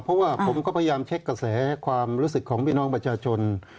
เพราะว่าผมก็พยายามเช็คกระแสความรู้สึกของพี่น้องประชาชน